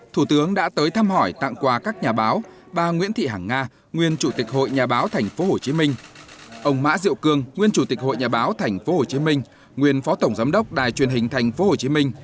thủ tướng đã tới thăm hỏi tặng quà các nhà báo bà nguyễn thị hàng nga nguyên chủ tịch hội nhà báo tp hcm ông mã diệu cương nguyên chủ tịch hội nhà báo tp hcm nguyên phó tổng giám đốc đài truyền hình tp hcm